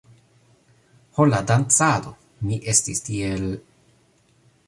Ho la dancado! Mi estis tiel...